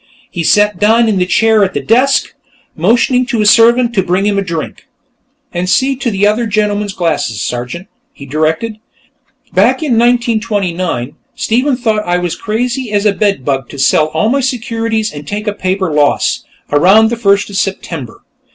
He sat down in the chair at the desk, motioning to his servant to bring him a drink. "And see to the other gentlemen's glasses, Sergeant," he directed. "Back in 1929, Stephen thought I was crazy as a bedbug to sell all my securities and take a paper loss, around the first of September.